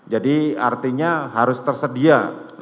jadi artinya harus tersedia